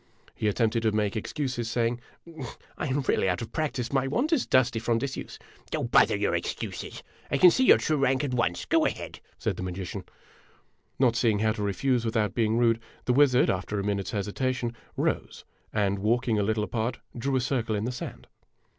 He attempted to make excuses, saying :" I am really out of prac tice ; my wand is dusty from disuse." "Oh, bother your excuses! I can see your true rank at once. Go ahead !" said the magician. Not seeing how to refuse without being rude, the wizard, after a minute's hesitation, rose and, walking a little apart, drew a circle in the sand.